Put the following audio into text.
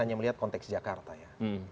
hanya melihat konteks jakarta ya